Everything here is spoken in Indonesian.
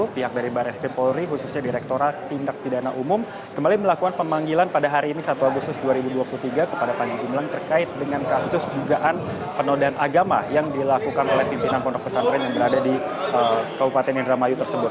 panji gumilang pada hari ini satu agustus dua ribu dua puluh tiga kepada panji gumilang terkait dengan kasus dugaan penodaan agama yang dilakukan oleh pimpinan konrok pesantren yang berada di kabupaten indramayu tersebut